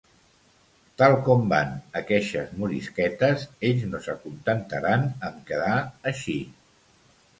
Tal com van aqueixes morisquetes, ells no s'acontentaran amb quedar així.